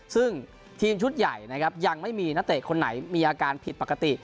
ซึ่งทีมชุดใหญ่นะครับยังไม่มีนักเตะคนไหนมีอาการผิดปกติ